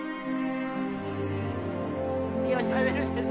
ようしゃべるんです。